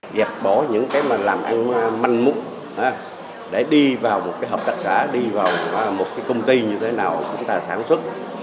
dẹp bỏ những cái mà làm ăn manh múc để đi vào một cái hợp tác xã đi vào một cái công ty như thế nào chúng ta sản xuất